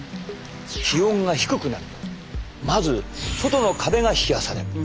気温が低くなるとまず外の壁が冷やされる。